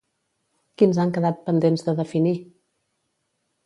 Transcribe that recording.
Quins han quedat pendents de definir?